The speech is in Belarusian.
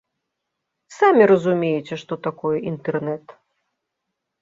Самі разумееце, што такое інтэрнэт.